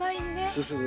進む。